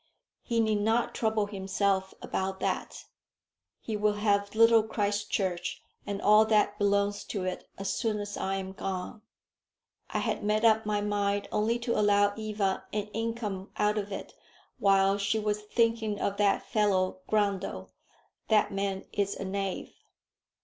"He need not trouble himself about that. He will have Little Christchurch and all that belongs to it as soon as I am gone. I had made up my mind only to allow Eva an income out of it while she was thinking of that fellow Grundle. That man is a knave."